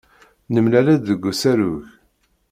Nemlal-d deg usarug.